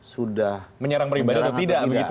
sudah menyerang pribadi atau tidak begitu